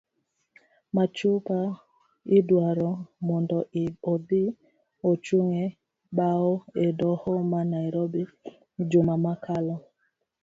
Machupa idwaro mondo odhi ochung' e bao e doho ma nairobi juma mokalo